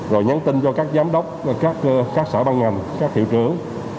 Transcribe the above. rồi nhắn tin cho các giám đốc các sở băng ngành các hiệu trưởng